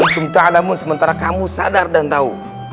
sementara kamu sadar dan tahu